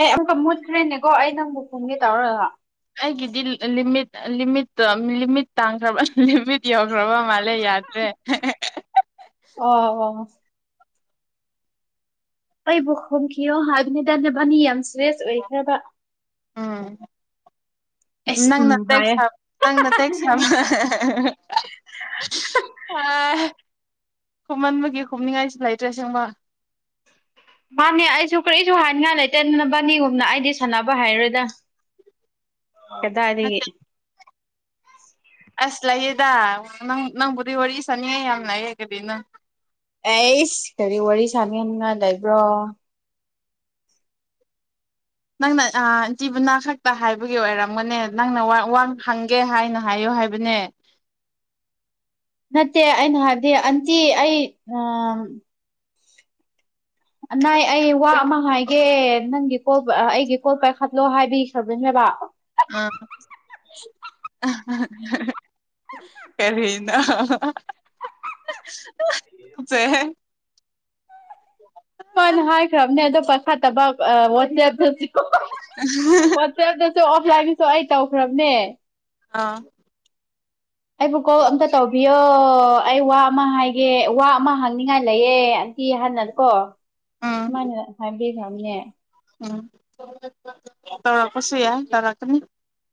ꯑꯦ ꯑꯃꯨꯛꯀ ꯃꯨꯠꯈ꯭ꯔꯦꯅꯦꯀꯣ ꯑꯩ ꯅ ꯑꯃꯨꯛ ꯈꯨꯝꯒꯦ ꯇꯧꯔꯔꯕ ꯑꯩꯒꯤꯗꯤ ꯂꯤꯃꯤꯠ ꯂꯤꯃꯤꯠꯇꯣ ꯂꯤꯃꯤꯠ ꯇꯥꯡꯈ꯭ꯔꯕ ꯂꯤꯃꯤꯠ ꯌꯧꯈ꯭ꯔꯕ ꯃꯥꯜꯂꯦ ꯌꯥꯗ꯭ꯔꯦ ꯑꯣ ꯑꯣ ꯑꯩꯕꯨ ꯈꯨꯝꯈꯤꯌꯣ ꯍꯥꯏꯗꯨꯅꯤ ꯗꯅꯚꯅꯤ ꯌꯥꯝ ꯁ꯭ꯔꯦꯁ ꯑꯣꯏꯈ꯭ꯔꯕ ꯎꯝ [unintelligible] ꯎꯝ ꯅꯪꯅ ꯍꯥꯏꯌꯦ ꯇꯦꯛꯁ ꯅꯪꯅ ꯇꯦꯛꯁꯕ ꯑ ꯈꯨꯝꯍꯟꯕꯒꯤ ꯈꯨꯝꯅꯤꯡꯉꯥꯏꯁꯨ ꯂꯩꯇ꯭ꯔꯦ ꯁꯦꯡꯃ ꯃꯥꯅꯤ ꯑꯩꯁꯨ ꯀꯔꯛꯏꯁꯨ ꯍꯥꯏꯅꯤꯡꯉꯥꯏ ꯂꯩꯇꯅꯅꯕꯅꯤꯒꯨꯝꯅ ꯑꯩꯗꯤ ꯁꯥꯟꯅꯕ ꯍꯥꯏꯔꯣꯏꯗ ꯑꯦꯗꯥꯗꯤ ꯅꯠꯇꯦ ꯑꯁ ꯂꯩꯌꯦꯗꯪ ꯅꯪꯕꯨꯗꯤ ꯋꯥꯔꯤ ꯁꯥꯅꯤꯡꯉꯦ ꯌꯥꯝ ꯂꯥꯛꯑꯦꯒꯗꯤ ꯅꯪ ꯑꯩꯁ ꯀꯔꯤ ꯋꯥꯔꯤ ꯁꯥꯟꯅꯍꯟꯉꯥꯏ ꯂꯩꯕ꯭ꯔꯣ ꯅꯪꯅ ꯏꯟꯇꯤꯕꯨꯅꯥ ꯈꯛꯇ ꯍꯥꯏꯕꯒꯤ ꯑꯣꯏꯔꯝꯒꯅꯦ ꯅꯪꯅ ꯋꯥ ꯍꯪꯒꯦ ꯍꯥꯏꯅ ꯍꯥꯏꯌꯨ ꯍꯥꯏꯕꯅꯦ ꯅꯠꯇꯦ ꯑꯩꯅ ꯍꯥꯏꯕꯗꯤ ꯑꯟꯇꯤ ꯑꯩ ꯅꯥꯏ ꯑꯩ ꯋꯥ ꯑꯃ ꯍꯥꯏꯒꯦ ꯅꯪꯒꯤ ꯀꯣꯜ ꯑꯩꯒꯤ ꯀꯣꯜ ꯄꯥꯏꯈꯠꯂꯣ ꯍꯥꯏꯕꯤꯈ꯭ꯔꯕꯅꯦꯕ ꯑꯥ ꯀꯔꯤꯅꯣ ꯁꯦ ꯃꯥꯅ ꯍꯥꯏꯈ꯭ꯔꯕꯅꯦ ꯑꯗꯣ ꯄꯥꯏꯈꯠꯇꯕ ꯋꯥꯆꯦꯞ [unintelligible] ꯑꯣꯐꯂꯥꯏꯟꯒꯤꯁꯨ ꯑꯩ ꯇꯧꯈ꯭ꯔꯕꯅꯦ ꯑꯥ ꯑꯩꯕꯨ ꯀꯣꯜ ꯑꯝꯇ ꯇꯧꯕꯤꯌꯣ ꯑꯩ ꯋꯥ ꯑꯃ ꯍꯥꯏꯒꯦ ꯋꯥ ꯑꯃ ꯍꯥꯡꯅꯤꯡꯉꯥꯏ ꯂꯩꯌꯦ ꯑꯟꯇꯤ ꯍꯥꯏꯅꯀꯣ ꯎꯝ ꯃꯥꯅ ꯍꯥꯏꯕꯗꯩ ꯈꯉꯤꯅꯦ ꯎꯝ ꯇꯧꯔꯛ ꯄꯁꯨꯨ ꯌꯥꯏ ꯇꯧꯔꯥꯛꯀꯅꯤ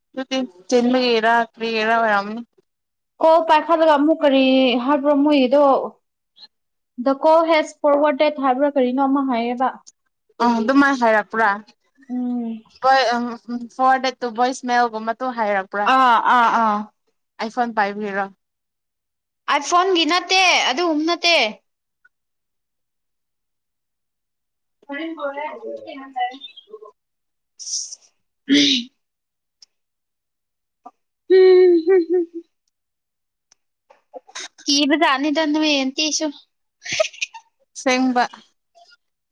ꯑꯗꯨꯗꯤ ꯆꯤꯟꯕꯒꯤꯔꯥ ꯀꯥꯔꯤꯔꯥ ꯑꯣꯏꯔꯝꯒꯅꯤ ꯀꯣꯜ ꯄꯥꯏꯈꯠꯂꯒ ꯑꯃꯨꯛ ꯀꯔꯤ ꯍꯥꯏꯕ꯭ꯔꯣ ꯃꯣꯏꯒꯝꯗꯣ the call has forwarded ꯍꯥꯏꯕ꯭ꯔꯥ ꯀꯔꯤꯅꯣ ꯑꯃ ꯍꯥꯏꯌꯦꯕ ꯑ ꯑꯗꯨꯃꯥꯏ ꯍꯥꯏꯔꯄꯔꯥ ꯎꯝ ꯄꯥ ꯑꯝ ꯎꯝ ꯐꯣꯔꯠꯗꯦꯠ ꯇꯨ ꯕꯣꯏꯁ ꯃꯦꯜ ꯒꯨꯝꯕ ꯑꯥ ꯑꯥ ꯑꯥ ꯑꯥꯏꯐꯣꯟ ꯄꯥꯏꯕꯒꯤꯔꯣ ꯑꯥꯏ ꯐꯣꯟꯒꯤ ꯅꯠꯇꯦ ꯑꯗꯨꯒꯨꯝꯕ ꯅꯠꯇꯦ [unintelligible] ꯍꯨꯝ ꯍꯨꯝ ꯀꯤꯕꯖꯥꯠꯅꯤꯗ ꯅꯣꯏ ꯑꯟꯇꯤꯁꯨ ꯁꯦꯡꯕ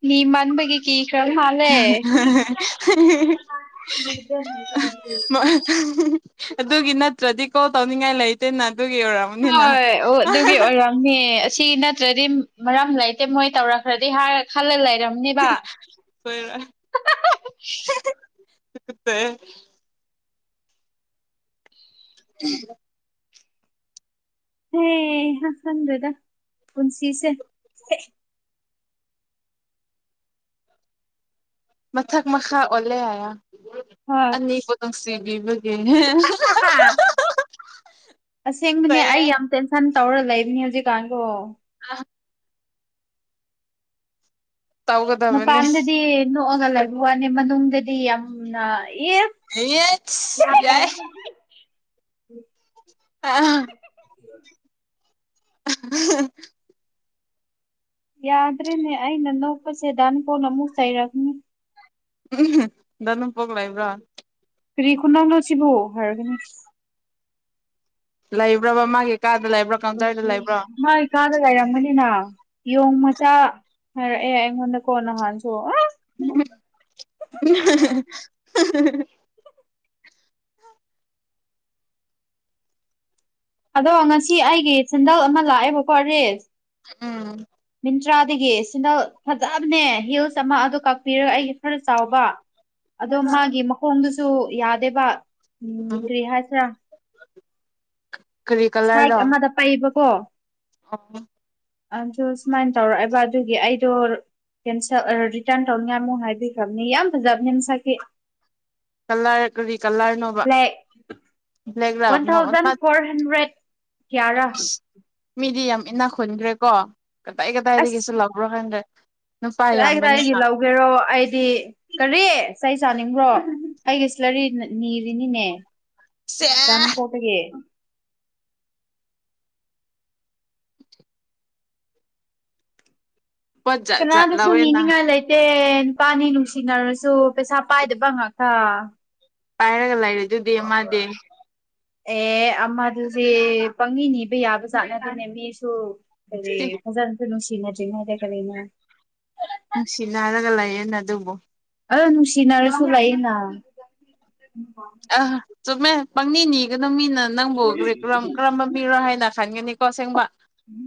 ꯃꯤ ꯃꯥꯟꯕꯒꯤ ꯀꯤꯈꯔ ꯃꯥꯜꯂꯦ [unintelligible] ꯑꯗꯨꯒꯤ ꯅꯠꯇ꯭ꯔꯗꯤ ꯀꯣ ꯇꯧꯅꯤꯡꯉꯥꯏ ꯂꯩꯇꯦ ꯍꯣꯏ ꯑꯣ ꯑꯗꯨꯒꯤ ꯑꯣꯏꯔꯝꯃꯤ ꯑꯁꯤ ꯅꯠ ꯇ꯭ꯔꯗꯤ ꯃꯔꯝ ꯂꯩꯇꯦ ꯃꯣꯏ ꯇꯧꯔꯛꯈ꯭ꯔꯗꯤ ꯍꯥꯏꯔ ꯈꯜꯂ ꯂꯩ ꯑꯣꯏꯔꯝꯅꯦꯕ ꯁꯣꯏꯔꯣꯏ [unintelligible] ꯎꯝ ꯍꯩ ꯍꯥ ꯈꯪꯗꯦꯗ ꯄꯨꯟꯁꯤꯁꯦ ꯃꯊꯛ ꯃꯊꯛ ꯑꯣꯂꯦ ꯑꯌꯥ ꯍꯣꯏ ꯑꯅꯤꯕꯨ ꯅꯨꯡꯁꯤꯕꯤꯕꯒꯤ ꯑꯁꯦꯡꯕꯅꯦ ꯑꯩ ꯌꯥꯝ ꯇꯦꯟꯁꯟ ꯇꯧꯔ ꯂꯩꯕꯅꯤ ꯍꯧꯖꯤꯛꯀꯥꯟꯗꯣ [unintelligible] ꯇꯧꯒꯗꯕꯅꯦ ꯃꯄꯥꯟꯗꯗꯤ ꯅꯣꯛꯑꯒ ꯂꯩꯕ ꯋꯥꯅꯤ ꯃꯅꯨꯡꯗꯗꯤ ꯌꯥꯝꯅ ꯏ ꯌꯦꯠꯁ ꯌꯥꯏ ꯑꯥ [unintelligible] ꯌꯥꯗ꯭ꯔꯦꯅꯦ ꯑꯩꯅ ꯅꯣꯛꯕꯁꯦ ꯗꯥ ꯅꯣꯡꯄꯣꯛꯅ ꯑꯃꯨꯛ ꯆꯩꯔꯛꯅꯤ ꯎ ꯗꯥ ꯅꯣꯡꯄꯣꯛ ꯂꯩꯕ꯭ꯔꯥ ꯀꯔꯤ ꯈꯨꯅꯣꯛꯅꯣꯁꯤꯕꯣ ꯍꯥꯏꯔꯒꯅꯤ ꯂꯩꯕ꯭ꯔꯕꯕꯥ ꯃꯥꯒꯤ ꯀꯥꯗ ꯂꯩꯕ꯭ꯔꯣ ꯀꯥꯎꯟꯇꯔꯗ ꯂꯩꯕ꯭ꯔꯣ ꯃꯥꯒꯤ ꯀꯥꯗ ꯂꯩꯥꯏꯔꯝꯒꯅꯤꯅ ꯌꯣꯡ ꯃꯆꯥ ꯍꯥꯏꯔꯛꯑꯦ ꯑꯩꯉꯣꯟꯗꯀꯣ ꯅꯍꯥꯟꯁꯨ ꯑꯁ [unintelligible] ꯑꯥꯗꯣ ꯉꯁꯤ ꯑꯩꯒꯤ ꯁꯦꯟꯗꯜ ꯑꯃ ꯂꯥꯛꯑꯦꯕꯀꯣ ꯁꯤ ꯎꯝ ꯇ꯭ꯔꯥꯗꯒꯤ ꯁꯤꯗ ꯐꯖꯕꯅꯦ ꯍꯤꯜꯁ ꯑꯃ ꯑꯗꯨ ꯀꯛꯄꯤꯔꯒ ꯑꯩ ꯈꯔ ꯆꯥꯎꯕ ꯑꯗꯣ ꯃꯥꯒꯤ ꯃꯈꯣꯡꯗꯨꯁꯨ ꯌꯥꯗꯦꯕ ꯎꯝ ꯀꯔꯤ ꯍꯥꯏꯁꯤꯔꯥ ꯀꯔꯤ ꯁꯥꯏꯠ ꯀꯂꯔꯗꯣ ꯑꯃꯗ ꯄꯛꯑꯕꯀꯣ [unintelligible] ꯑꯗꯨ ꯁꯨꯃꯥꯏꯅ ꯇꯧꯔꯛꯑꯕ ꯑꯗꯨꯒꯤ ꯑꯩꯗꯣ ꯀꯦꯟꯁꯦꯜ ꯔꯔꯤꯇꯔꯟ ꯇꯧꯅꯤꯌꯥ ꯃꯣꯍꯩ ꯈꯞꯅꯤ ꯌꯥꯝꯕꯖꯕꯅꯤꯝ ꯁꯥꯒꯤꯦ ꯀꯂꯔ ꯀꯔꯤ ꯀꯂꯔꯅꯣꯕ ꯕ꯭ꯂꯦꯛ ꯀꯌꯥ꯭ꯔꯥ ꯃꯤꯗꯤ ꯌꯥꯝ ꯏꯅꯥ ꯈꯨꯨꯟꯈ꯭ꯔꯦ ꯀꯣ ꯀꯗꯥꯏ ꯑꯁ ꯀꯗꯥꯏꯗꯒꯤꯁꯨ ꯂꯧꯕ꯭ꯔꯣ ꯈꯪꯗ꯭ꯔꯦ ꯅꯨꯄꯥ ꯀꯗꯥꯏ ꯀꯗꯥꯏꯒꯤ ꯌꯥꯝꯕꯅꯤꯅ ꯂꯧꯒꯦꯔꯣ ꯑꯩꯗꯤ ꯀꯔꯤ ꯏꯁꯩ ꯆꯥꯅꯤꯡꯕ꯭ꯔꯣ ꯑꯩꯒꯤ ꯁꯤꯂꯔꯤ ꯅꯤꯔꯤꯅꯤꯅꯦ ꯁꯦ ꯅ ꯄꯣꯄꯒꯦ ꯄꯣꯠ ꯖꯠ ꯖꯠ ꯀꯅꯥꯗꯁꯨ ꯂꯧꯋꯦꯅ ꯏꯅꯤꯡ ꯉ ꯂꯩꯥꯏꯇ ꯑꯦ ꯅꯨꯄꯥꯅꯤ ꯅꯨꯡꯁꯤꯅꯔꯁꯨ ꯄꯩꯁꯥ ꯄꯥꯏꯗꯕ ꯑꯪꯉꯛꯀ ꯄꯥꯏꯔꯒ ꯂꯩꯔꯦ ꯑꯗꯨꯗꯤ ꯃꯥꯗꯦ ꯑꯦꯗꯨꯁ ꯄꯪꯅꯤ ꯅꯤꯕ ꯌꯥꯕ ꯆꯥꯠꯅꯗꯅꯦ ꯃꯤꯁꯨ ꯀꯦ ꯁꯤ ꯐꯖꯥꯅꯁꯨ ꯅꯨꯡꯁꯤꯅꯗ꯭ꯔꯤꯅꯗ ꯀꯅ ꯅꯨꯡꯁꯤꯠ ꯅꯥꯔꯒ ꯂꯩꯌꯦꯅ ꯑꯗꯨꯕꯨ ꯑꯥ ꯅꯨꯡꯁꯤꯅꯔꯁꯨꯂꯥꯏꯑ‌ꯦꯅꯥ ꯑꯥ ꯆꯨꯝꯃꯦ ꯄꯪꯅꯤꯅꯤꯒꯅꯣ ꯃꯤꯅ ꯅꯪꯕꯨ ꯀꯔꯝꯕ ꯃꯤꯔꯣ ꯍꯥꯏꯅ ꯈꯟꯒꯅꯤ ꯀꯣ ꯑꯁꯦꯡꯕ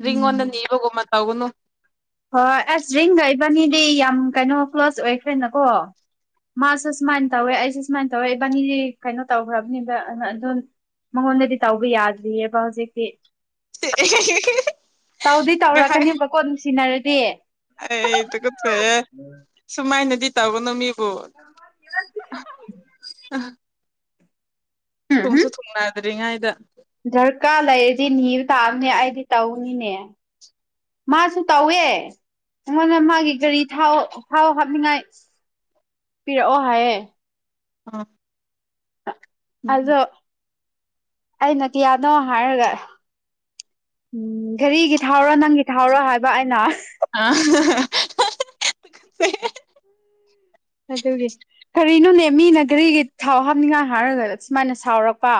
ꯔꯤꯉꯣꯟꯗ ꯅꯤꯕꯒꯨꯝꯕ ꯇꯧꯒꯅꯨ ꯍꯣꯏꯣꯏ ꯑꯁ ꯔꯤꯡꯒꯩꯕꯅꯤꯗꯤ ꯌꯥꯝ ꯀꯩꯅꯣ ꯀ꯭ꯂꯣꯁ ꯑꯣꯏꯈ꯭ꯔꯦꯅꯀꯣ ꯃꯥꯁꯨ ꯁꯨꯃꯥꯏꯅ ꯇꯧꯋꯦ ꯑꯩꯁꯦ ꯁꯨꯃꯥꯏꯅ ꯇꯧꯋꯦ ꯏꯕꯥꯅꯤꯗꯤ ꯀꯩꯅꯣ ꯇꯧꯈ꯭ꯔꯕꯅꯦꯕ ꯑꯗꯨ ꯃꯉꯣꯟꯗꯗꯤ ꯇꯧꯕ ꯌꯥꯗ꯭ꯔꯤꯑꯕ ꯍꯧꯖꯤꯛꯇꯤ [unintelligible] ꯇꯧꯗꯤ ꯇꯧꯔꯛꯀꯅꯦꯕꯀꯣ ꯅꯨꯡꯁꯤꯅꯔꯗꯤ ꯑꯩꯗꯨꯒ ꯐꯔ ꯁꯨꯃꯥꯏꯅꯗꯤ ꯇꯥꯕꯅꯃꯤꯕꯣ ꯎꯝ ꯍꯝ ꯊꯨꯝꯁꯨ ꯊꯨꯡꯅꯅꯥꯗ꯭ꯔꯤꯉꯥꯏꯗ ꯗꯔꯀꯥꯔ ꯂꯩꯔꯗꯤ ꯅꯤꯕ ꯇꯥꯕꯅꯦ ꯑꯩꯗꯤ ꯇꯧꯅꯤꯅꯦ ꯃꯥꯁꯨ ꯇꯧꯋꯦ ꯑꯩꯉꯣꯟꯗ ꯃꯥꯒꯤ ꯒꯥꯔꯤ ꯊ ꯊꯥꯎꯑꯣ ꯍꯥꯞꯅꯤꯡꯉꯥꯏ ꯄꯤꯔꯛꯑꯣ ꯍꯥꯏꯌꯦ ꯑꯥ ꯑꯗꯣ ꯑꯩꯅ ꯀꯌꯥꯅꯣ ꯍꯥꯏꯔꯒ ꯎꯝ ꯘꯔꯤꯒꯤ ꯊꯥꯎꯔꯣ ꯅꯪꯒꯤ ꯊꯥꯎꯔꯣ ꯍꯥꯏꯕ ꯑꯩꯅ ꯑꯥ [unintelligible] ꯑꯗꯨꯗꯒꯦ ꯀꯔꯤꯅꯣꯅꯦ ꯃꯤꯅ ꯒꯥꯔꯤꯒꯤ ꯊꯥꯎ ꯍꯥꯞꯅꯤꯡꯉꯥꯏ ꯍꯥꯏꯔꯒ ꯁꯨꯃꯥꯏꯅ ꯁꯥꯎꯔꯛꯄ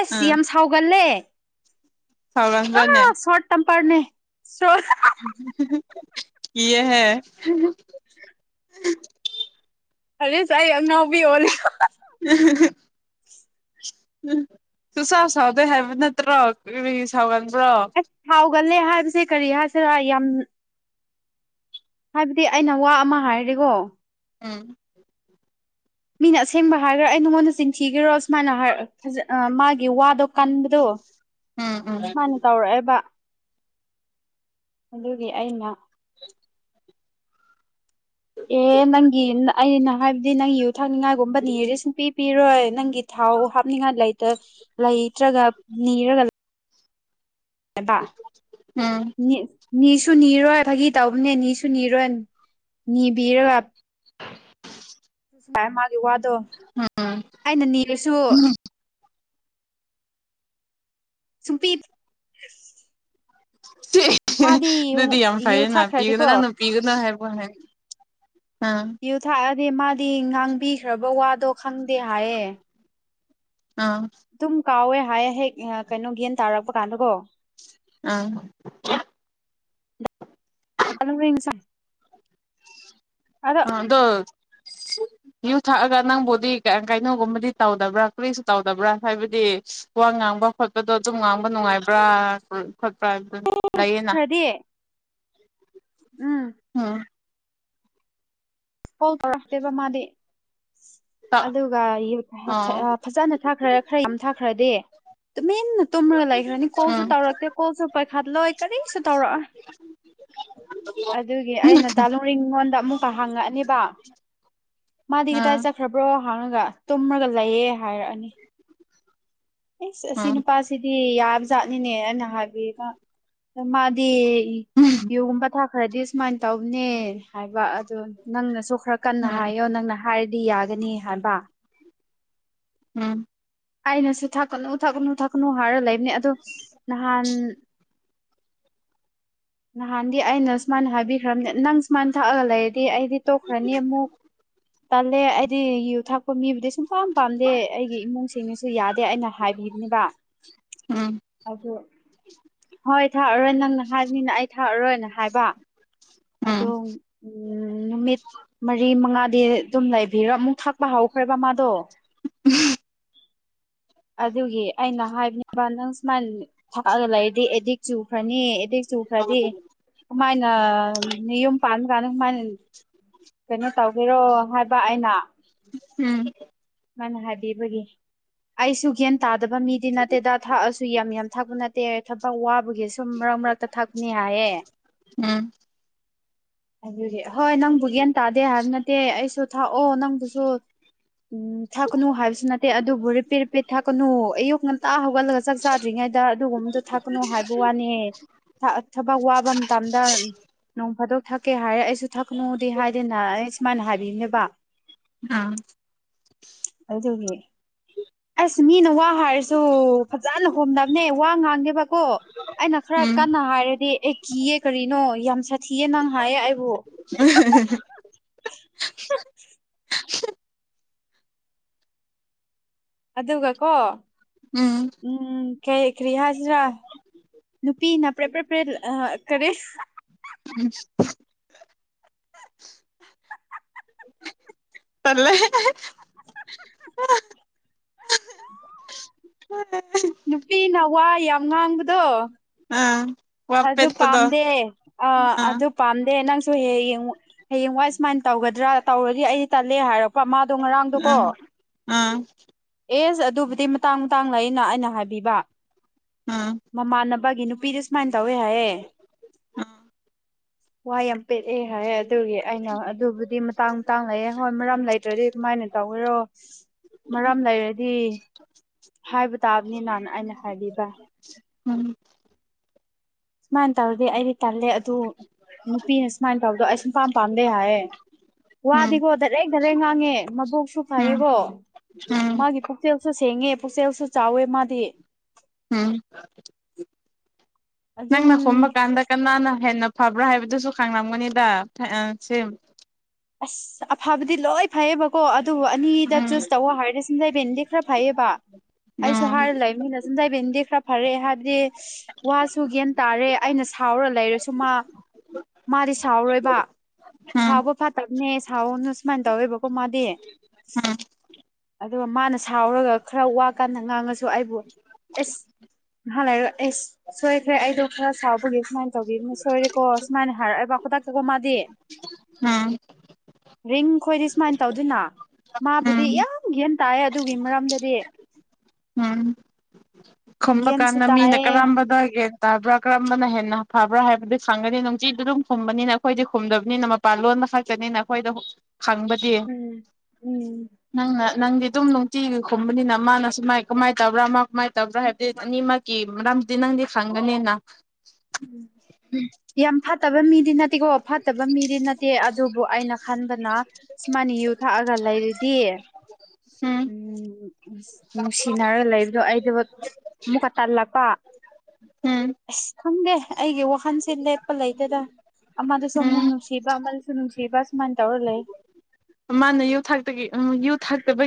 ꯑꯁ ꯌꯥꯝ ꯁꯥꯎꯒꯜꯂꯦ ꯁꯧꯔꯪꯕꯅꯦ ꯄꯔꯅꯦ ꯁ꯭ꯔꯣ ꯀꯤꯌꯦꯍ‌ꯦ [unintelligible] ꯑꯩ ꯑꯉꯥꯎꯕꯤ ꯍꯜꯂꯤ [unintelligible] ꯇꯁꯥꯎ ꯁꯥꯎꯗ ꯍꯥꯏꯕ ꯅꯠꯇꯔ ꯁꯥꯎꯒ ꯕ꯭ꯔꯣ ꯒꯜꯂꯦ ꯍꯥꯏꯕꯁꯦ ꯀꯔꯤ ꯍꯥꯏꯁꯤꯔ ꯌꯥꯝ ꯍꯥꯏꯕꯗꯤ ꯑꯩꯅ ꯋꯥ ꯑꯃ ꯍꯥꯏꯔꯦꯀꯣ ꯎꯝ ꯃꯤꯅ ꯑꯁꯦꯡꯕ ꯍꯥꯏꯔꯒ ꯑꯩ ꯅꯉꯣꯟꯗ ꯆꯤꯟꯊꯤꯒꯔꯣ ꯁꯨꯃꯥꯏꯅ ꯍꯥꯏꯖ ꯃꯥꯒꯤ ꯋꯥꯗꯣ ꯀꯟꯕꯗꯣ ꯎꯝ ꯎꯝ ꯁꯨꯃꯥꯏꯅ ꯇꯧꯔꯛꯑꯦꯕ ꯑꯗꯨꯒꯤ ꯑꯩꯅ ꯑꯦ ꯅꯪꯒꯤ ꯑꯩꯅ ꯍꯥꯏꯕꯗꯤ ꯅꯪ ꯌꯨ ꯊꯥꯛꯅꯤꯡꯉꯥꯏꯒꯨꯝꯕꯅꯤꯗꯤ ꯁꯨꯡꯄꯤ ꯄꯤꯔꯣꯏ ꯅꯪꯒꯤ ꯊꯥꯎ ꯍꯥꯞꯅꯤꯡꯉꯥꯏ ꯂꯩꯇ ꯂꯩꯇ꯭ꯔꯒ ꯅꯤꯔꯒ ꯍꯥꯏꯕ ꯎꯝ ꯃꯤ ꯅꯤꯁꯨ ꯅꯤꯔꯣꯏ ꯐꯥꯒꯤ ꯇꯧꯕꯅꯦ ꯅꯤꯁꯨ ꯅꯤꯔꯣꯏ ꯅꯤꯕꯤꯔꯒ ꯁꯥꯏ ꯃꯥꯒꯤ ꯋꯥꯗꯣ ꯑꯩꯅ ꯅꯤꯔꯁꯨ ꯎꯝ ꯁꯨꯡꯄꯤ ꯃꯥꯗꯤ ꯑꯗꯨꯗꯤ ꯌꯥꯝ ꯌꯨ ꯐꯩꯅ ꯄꯤꯒꯅꯨ ꯊꯛꯈ꯭ꯔꯗꯤꯀꯣ ꯅꯪꯅ ꯄꯤꯒꯨꯅ ꯍꯥꯏꯕ ꯑꯥ ꯌꯨ ꯊꯥꯛꯑꯗꯤ ꯃꯥꯗꯤ ꯉꯥꯡꯕꯤꯈ꯭ꯔꯕ ꯋꯥꯗꯣ ꯈꯪꯗꯦ ꯍꯥꯏꯌꯦ ꯑꯥ ꯑꯗꯨꯝ ꯀꯥꯎꯋꯦ ꯍꯥꯏꯌꯦ ꯍꯦꯛ ꯀꯩꯅꯣ ꯒꯌ꯭ꯥꯟ ꯇꯥꯔꯛꯄ ꯀꯥꯟꯗꯀꯣ ꯑꯥ ꯑꯂꯔꯤꯁ ꯑꯗꯣ [inaudible] ꯌꯨ ꯊꯛꯑꯒ ꯅꯪꯕꯨꯗꯤ ꯀꯩꯅꯣꯒꯨꯝꯕꯗꯤ ꯇꯧꯗꯕ꯭ꯔꯥ ꯀꯨꯔꯤꯁꯨ ꯇꯧꯗꯕ꯭ꯔꯥ ꯍꯥꯏꯕꯗꯤ ꯋꯥ ꯉꯥꯡꯕ ꯈꯣꯠꯄꯗꯣ ꯑꯗꯨꯝ ꯉꯥꯡꯕ ꯅꯨꯡꯉꯥꯏꯕ꯭ꯔꯥ ꯈꯣꯠꯄ꯭ꯔꯥ ꯍꯥꯏꯕ ꯑꯗꯨꯝ ꯂꯩꯌꯦꯅ ꯈꯔꯗꯤ ꯎꯝ ꯎꯝ ꯐꯣꯜ ꯇꯧꯔꯛꯇꯦꯕ ꯃꯥꯗꯤ ꯑꯗꯨꯒ ꯌꯨ ꯑꯥ ꯐꯖꯅ ꯈꯔ ꯌꯥꯝ ꯊꯛꯈ꯭ꯔꯗꯤ ꯇꯨꯝꯃꯤꯟꯅ ꯇꯨꯝꯃ ꯂꯩꯈ꯭ꯔꯅꯤ ꯀꯣꯜꯁꯨ ꯎꯝ ꯇꯧꯔꯛꯇꯦ ꯀꯣꯜꯁꯨ ꯄꯥꯏꯈꯠꯂꯣꯏ ꯀꯔꯤꯁꯨ ꯇꯧꯔꯛꯑꯣꯏ ꯑꯗꯨꯒꯤ ꯑꯩꯅ ꯗꯥꯂꯣꯔꯤꯡꯉꯣꯟꯗ ꯑꯃꯨꯛꯀ ꯍꯥꯪꯡꯉꯛꯑꯅꯦꯕ ꯃꯥꯗꯤ ꯀꯗꯥꯏ ꯎꯝ ꯆꯠꯈ꯭ꯔꯕ꯭ꯔꯣ ꯍꯡꯉꯒ ꯇꯨꯝꯃꯒ ꯂꯩꯌꯦ ꯍꯥꯏꯔꯛꯑꯅꯤ ꯑꯦꯁ ꯑꯁꯤ ꯇꯜꯂꯦ ꯅꯨꯄꯥꯁꯤꯗꯤ ꯌꯥꯕ ꯖꯥꯠꯅꯤꯅꯦ ꯑꯩꯅ ꯍꯥꯏꯕꯤꯕ ꯑ ꯃꯥꯗꯤ ꯌꯨꯒꯨꯝꯕ ꯊꯛꯈꯔꯗꯤ ꯁꯨꯃꯥꯏꯅ ꯇꯧꯅꯦ ꯍꯥꯏꯕ ꯑꯗꯨ ꯅꯪꯅꯁꯨ ꯈꯔ ꯀꯟꯅ ꯍꯥꯏꯌꯣ ꯅꯪꯅ ꯍꯥꯏꯔꯗꯤ ꯌꯥꯒꯅꯤ ꯍꯥꯏꯕ ꯎꯝ ꯑꯩꯅꯁꯨ ꯊꯛꯀꯅꯨ ꯊꯛꯀꯅꯨ ꯊꯛꯀꯅꯨ ꯍꯥꯏꯔ ꯂꯩꯕꯅꯦ ꯑꯗꯣ ꯅꯍꯥꯟ [inaudible] ꯅꯍꯥꯟꯗꯤ ꯑꯩꯅ ꯁꯨꯃꯥꯏꯅ ꯍꯥꯏꯕꯤꯈ꯭ꯔꯕꯅꯦ ꯅꯪ ꯁꯨꯃꯥꯏꯅ ꯊꯛꯑꯒ ꯂꯩꯔꯗꯤ ꯑꯩꯗꯤ ꯇꯣꯛꯈ꯭ꯔꯅꯤ ꯑꯃꯨꯛ ꯇꯜꯂꯦ ꯍꯥꯏꯗꯤ ꯌꯨ ꯊꯥꯛꯄ ꯃꯤꯕꯨꯗꯤ ꯁꯨꯡꯄꯥꯝ ꯄꯥꯝꯗꯦ ꯑꯩꯒꯤ ꯏꯃꯨꯡꯁꯤꯡꯅꯁꯨ ꯌꯥꯗꯦ ꯑꯩꯅ ꯍꯥꯏꯕꯤꯕꯅꯦꯕ ꯑꯗꯣ ꯍꯣꯏ ꯊꯛꯑꯔꯣꯏ ꯅꯪꯅ ꯍꯥꯏꯕꯅꯤꯅ ꯑꯩ ꯊꯛꯑꯔꯣꯏꯅ ꯍꯥꯏꯕ ꯑꯗꯣ ꯅꯨꯃꯤꯠ ꯃꯔꯤ ꯃꯉꯥ ꯗꯤ ꯑꯗꯨꯝ ꯂꯩꯕꯤꯔꯣ ꯑꯃꯨꯛ ꯊꯛꯄ ꯍꯧꯈ꯭ꯔꯦꯕ ꯃꯥꯗꯣ ꯎꯝ ꯑꯗꯨꯒꯤ ꯑꯩꯅ ꯍꯥꯏꯕꯅꯦꯕ ꯅꯪ ꯁꯨꯃꯥꯏꯅ ꯊꯛꯑꯒ ꯂꯩ ꯗꯤ ꯑꯦꯗꯤꯛ ꯆꯨꯈꯔꯅꯤ ꯑꯦꯗꯤꯛ ꯆꯨꯈ꯭ꯔꯗꯤ ꯀꯃꯥꯏꯅ ꯌꯨꯝ ꯄꯥꯟꯕꯥꯟ ꯀꯥꯟꯗ ꯀꯃꯥꯏꯅ ꯀꯩꯅꯣ ꯇꯧꯒꯦꯔꯣ ꯍꯥꯏꯕ ꯑꯩꯅ ꯃꯥꯅ ꯍꯥꯏꯕꯤꯕꯒꯤ ꯑꯩꯁꯨ ꯒ꯭ꯌꯥꯟ ꯇꯥꯗꯕ ꯃꯤꯗꯤ ꯅꯠꯇꯦꯗ ꯊꯛꯑꯁꯨ ꯌꯥꯝ ꯌꯥꯝ ꯊꯛꯄ ꯅꯠꯇꯦ ꯊꯕꯛ ꯋꯥ ꯕꯒꯤ ꯁꯨꯝ ꯃꯔꯛ ꯃꯔꯛꯇ ꯊꯛꯄꯅꯤ ꯍꯥꯏꯌꯦ ꯑꯗꯨ ꯍꯣꯏ ꯅꯪꯕꯨ ꯒꯌ꯭ꯥꯟ ꯇꯥꯗꯦ ꯍꯥꯏꯕ ꯅꯠꯇꯦ ꯑꯩꯁꯨ ꯊꯥꯛꯑꯣ ꯅꯪꯕꯨꯁꯨ ꯎꯝ ꯊꯥꯛꯀꯅꯨ ꯍꯥꯏꯕꯁꯨ ꯅꯠꯇꯦ ꯑꯗꯨꯕꯨ ꯔꯤꯄꯦꯠ ꯔꯤꯄꯦꯠ ꯊꯥꯛꯀꯅꯨ ꯑꯌꯨꯛ ꯉꯟꯇꯥ ꯍꯧꯒꯠꯂꯒ ꯆꯥꯛ ꯆꯥꯗ꯭ꯔꯤꯉꯩꯗ ꯑꯗꯨꯒꯨꯝꯕꯗꯣ ꯊꯛꯀꯅꯨ ꯍꯥꯏꯕ ꯋꯥꯅꯦ ꯊꯕꯛ ꯋꯥꯕ ꯃꯇꯝꯗ ꯅꯣꯡ ꯐꯥꯗꯣꯛ ꯊꯛꯀꯦ ꯍꯥꯏꯔꯦ ꯑꯩꯁꯨ ꯊꯛꯀꯅꯨꯗꯤ ꯍꯥꯏꯗꯅ ꯑꯩ ꯁꯨꯃꯥꯏꯅ ꯍꯥꯏꯕꯤꯌꯨꯅꯦꯕ ꯑꯝ ꯑꯗꯨ ꯇꯧꯒꯦ ꯑ [inaudible] ꯃꯤꯅ ꯋꯥ ꯍꯥꯏꯔꯁꯨ ꯐꯖꯅ ꯂꯨꯍꯣꯡꯅꯕꯅꯦ ꯋꯥ ꯉꯥꯡꯗꯦꯕꯀꯣ ꯑꯩꯅ ꯈꯔ ꯀꯟꯅ ꯍꯥꯏꯔꯗꯤ ꯑꯦ ꯀꯤꯌꯦ ꯀꯔꯤꯅꯣ ꯌꯥꯝ ꯊꯤꯌꯦ ꯅꯪ ꯍꯥꯏꯌꯦ ꯑꯩꯕꯨ ꯑꯗꯨꯒ ꯀꯣ ꯎꯝ ꯀꯩ ꯀꯔꯤ ꯍꯥꯏꯁꯤꯔꯥ ꯅꯨꯄꯤ ꯅꯅꯥ ꯄ꯭ꯔꯦ ꯄ꯭ꯔꯦ ꯄ꯭ꯔꯦ ꯀꯔꯦ ꯄꯜꯂꯦ [inaudible] ꯅꯨꯄꯤ ꯅꯋꯥ ꯌꯥꯝ ꯉꯥꯡꯕꯗꯣ ꯑꯥ ꯋꯥ ꯑꯗꯨ ꯄꯦꯠꯄꯗꯣ ꯄꯥꯝꯗꯦ ꯑꯥ ꯑꯗꯨ ꯄꯥꯝꯗꯦ ꯅꯪꯁꯨ ꯍ ꯌꯦꯡꯉ ꯍꯌꯦꯡꯋꯥꯏ ꯁꯨꯃꯥꯏꯅ ꯇꯧꯒꯗ꯭ꯔꯥ ꯇꯧꯔꯗꯤ ꯑꯩ ꯇꯠꯂꯦ ꯍꯥꯏꯔꯛꯄ ꯃꯥ ꯑꯝ ꯑꯥ ꯑꯦꯁ ꯑꯗꯨꯕꯨꯗꯤ ꯃꯇꯥꯡ ꯃꯇꯥꯡ ꯂꯩꯅ ꯑꯩꯅ ꯍꯥꯏꯕꯤꯕ ꯑꯥ ꯃꯃꯥꯟꯅꯕꯒꯤ ꯅꯨꯄꯤꯗ ꯁꯨꯃꯥꯏꯅ ꯇꯧꯋꯦ ꯍꯥꯏꯑꯌꯦ ꯋꯥ ꯌꯥꯝ ꯄꯦꯛꯛꯑꯦ ꯍꯥꯏ ꯑꯗꯨꯒꯤ ꯑꯩꯅ ꯑꯗꯨꯕꯨꯗꯤ ꯃꯇꯥꯡ ꯃꯇꯥꯡ ꯂꯩꯑꯦ ꯍꯣꯏ ꯃꯔꯝ ꯂꯩꯇ꯭ꯔꯗꯤ ꯀꯃꯥꯏꯅ ꯇꯧꯔꯣ ꯃꯔꯝ ꯂꯩꯔꯗꯤ ꯍꯥꯏꯕ ꯇꯥꯕꯅꯤꯅꯅ ꯑꯩꯅ ꯍꯥꯏꯕꯤꯕ ꯎꯝ ꯁꯨꯃꯥꯏꯅ ꯇꯧꯔꯗꯤ ꯑꯩꯗꯤ ꯇꯜꯂꯦ ꯑꯗꯨ ꯅꯨꯄꯤ ꯍꯥꯏ ꯁꯃꯥꯏꯅ ꯇꯥꯎꯗꯣ ꯑꯁꯟꯐꯥꯥꯟ ꯄꯥꯟꯗꯦ ꯍꯥꯏꯌꯦ ꯎꯝ ꯋꯥꯗꯤꯀꯣ ꯙꯔꯦꯛ ꯙꯔꯦꯛ ꯉꯥꯡꯉꯦ ꯃꯕꯣꯛꯁꯨ ꯎꯝ ꯐꯥꯏꯌꯦꯀꯣ ꯎꯝ ꯃꯥꯒꯤ ꯄꯨꯛꯆꯦꯜꯁꯨ ꯁꯦꯡꯉꯦ ꯄꯨꯛꯆꯦꯜꯁꯨ ꯆꯥꯎꯋꯦ ꯃꯥꯗꯤ ꯎꯝ ꯑꯗꯨꯝ ꯊꯥꯡꯅ ꯈꯣꯕ ꯀꯥꯟꯗ ꯀꯅꯥꯅ ꯍꯦꯟꯅ ꯐꯕ꯭ꯔꯥ ꯍꯥꯏꯕꯗꯨꯁꯨ ꯈꯪꯂꯝꯒꯅꯤꯗ ꯁꯤ ꯑꯁ ꯑꯐꯕꯗꯤ ꯂꯣꯏ ꯐꯩꯌꯦꯕꯀꯣ ꯑꯗꯨꯕꯨ ꯑꯅꯤꯗ ꯎꯝ ꯆꯨꯁ ꯇꯧꯋ ꯍꯥꯏꯔꯗꯤ ꯁꯤꯡꯖꯩ ꯕꯦꯟꯗꯤ ꯈꯔ ꯐꯩꯌꯦꯕ ꯕꯥ ꯑꯩꯁꯨ ꯍꯥꯏꯔ ꯎꯝ ꯂꯩꯕꯅꯤꯅ ꯁꯨꯝ ꯇꯥꯏꯕꯤꯦꯟꯗꯤ ꯈꯔ ꯐꯔꯛꯑꯦ ꯍꯥꯏꯕꯗꯤ ꯋꯥꯁꯨ ꯒ꯭ꯌꯥꯟ ꯇꯥꯔꯦ ꯑꯩꯅ ꯁꯥꯎꯔ ꯂꯩꯔꯁꯨ ꯃꯥ ꯃꯥꯗꯤ ꯁꯥꯎꯔꯣꯏꯕ ꯎꯝ ꯁꯥꯎꯕ ꯐꯠꯇꯕꯅꯦ ꯁꯥꯎꯅ ꯁꯨꯃꯥꯏꯅ ꯇꯧꯋꯦꯕꯀꯣ ꯃꯥꯗꯤ ꯎꯝ ꯑꯗꯨꯒ ꯃꯥꯅ ꯁꯥꯎꯔꯒ ꯈꯔ ꯋꯥꯀꯥꯟꯗ ꯉꯥꯡꯉꯁꯨ ꯑꯩꯕꯨ ꯑꯦꯁ ꯅꯍꯥꯟ ꯂꯩꯔꯑꯣ ꯑꯩꯁ ꯁꯣꯏꯈ꯭ꯔꯦ ꯑꯩꯗꯣ ꯈꯔ ꯆꯥꯎꯕꯒꯤꯦ ꯁꯨꯃꯥꯏꯅ ꯇꯧꯒꯦ ꯁꯣꯏꯔꯦꯀꯣ ꯁꯃꯥꯏꯅ ꯍꯥꯏꯔꯕꯈꯇꯥꯛ ꯀ ꯀꯣ ꯃꯥꯗꯤ [inaudible] ꯔꯤꯡ ꯈꯣꯏꯗꯤ ꯁꯨꯃꯥꯏꯅ ꯇꯧꯗꯣꯏꯅ ꯃꯥꯕꯨꯗꯤ ꯎꯝ ꯌꯥꯝ ꯒ꯭ꯌꯥꯦꯟ ꯇꯥꯏ ꯑꯗꯨꯒꯤ ꯃꯔꯝꯗꯗꯤ ꯎꯝ ꯈꯨꯝꯕ ꯒ꯭ꯌꯥꯟꯁꯨ ꯀꯥꯟꯗ ꯃꯤꯅ ꯇꯥꯏꯌꯦ ꯀꯔꯝꯕꯗꯒꯦ ꯇꯥꯕ꯭ꯔꯥ ꯀꯔꯝꯕꯅ ꯍꯦꯟꯅ ꯐꯕ꯭ꯔꯥ ꯍꯥꯏꯕꯗꯨ ꯈꯪꯒꯅꯤ ꯅꯨꯡꯆꯤꯗꯨ ꯑꯗꯨꯝ ꯈꯨꯝꯕꯅꯤꯅ ꯑꯩꯈꯣꯏꯗꯤ ꯈꯨꯝꯗꯕꯅꯤꯅ ꯃꯄꯥꯟ ꯂꯣꯟ ꯈꯛꯀꯅꯤꯅ ꯑꯩꯈꯣꯏꯗ ꯈꯪꯕꯗꯤ ꯎꯝ ꯎꯝ ꯅꯪꯅ ꯅꯪꯗꯤ ꯑꯗꯨꯝ ꯅꯨꯡꯇꯤꯒꯤ ꯈꯨꯝꯕꯅꯤꯅ ꯃꯥꯅ ꯁꯥꯏ ꯀꯃꯥꯏꯅ ꯇꯕ꯭ꯔꯥ ꯃꯥ ꯀꯃꯥꯏ ꯇꯕ꯭ꯔꯥ ꯍꯥꯏꯕ ꯅꯤꯡꯃꯀꯤ ꯔꯝꯗꯤ ꯅꯪꯗꯤ ꯐꯪꯒꯅꯦꯅ ꯎ ꯌꯥꯝ ꯐꯠꯇꯕ ꯃꯤꯗꯤ ꯅꯠꯇꯦ ꯐꯠꯇꯤꯀꯣ ꯐꯠꯇꯕ ꯃꯤꯗꯤ ꯅꯠꯇꯦ ꯑꯗꯨꯕꯨ ꯑꯩꯅ ꯈꯟꯕꯅ ꯁꯨꯃꯥꯏꯅ ꯌꯨ ꯊꯛꯑꯒ ꯂꯩꯔꯤꯗꯤ ꯎꯝ ꯎꯝ ꯅꯨꯡꯁꯤꯅꯔꯒ ꯂꯩꯕꯗꯣ ꯑꯩꯗ ꯑꯃꯨꯛꯀ ꯇꯜꯂꯛꯄ ꯎꯝ ꯑꯁ ꯈꯪꯗꯦ ꯑꯩꯒꯤ ꯋꯥꯈꯟꯁꯦ ꯂꯦꯞꯄ ꯂꯩꯗꯦꯗ ꯑꯃꯗꯁꯨ ꯑꯃꯨꯛ ꯎꯝ ꯅꯨꯡꯁꯤꯕ ꯑꯃꯗꯁꯨ ꯅꯨꯡꯁꯤꯕ ꯁꯨꯃꯥꯏꯅ ꯇꯧꯔ ꯂꯩ꯫ ꯃꯥꯅ ꯌꯨ ꯊꯥꯛꯇꯒꯤ ꯎꯝ ꯌꯨ ꯊꯥꯛꯇꯕꯒꯤ꯫